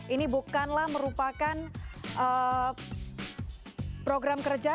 ini bukanlah merupakan program kerja